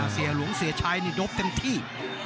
เสียหลวงเสียชายโดบทั้งที่